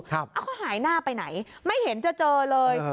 เขาหายหน้าไปไหนไม่เห็นจะเจอเลย